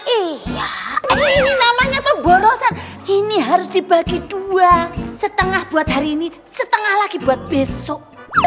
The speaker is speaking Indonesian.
iya ini namanya pemborosan ini harus dibagi dua setengah buat hari ini setengah lagi buat besok